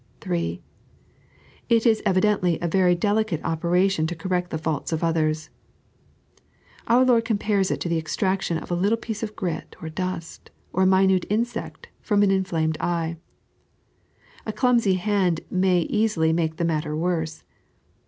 (3) It i» emdenOy a very delicate operation to correct the fmdts of others. Our Lord compares it to the extraction of a little piece of grit, or dust, or a minute insect, tcom an inflamed eye. A clumsy band may easily make the matter worse.